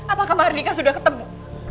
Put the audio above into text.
apakah mbah hardika sudah ketemu